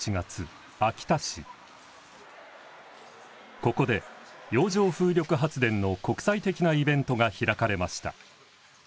ここで洋上風力発電の国際的なイベントが開かれました。